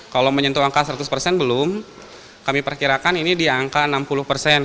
kalau menyentuh angka seratus persen belum kami perkirakan ini di angka enam puluh persen